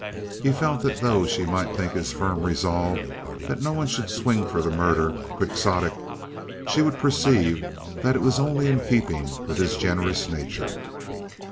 He felt that though she might think his firm resolve that no one should swing for the murder quixotic, she would perceive that it was only in keeping with his generous nature.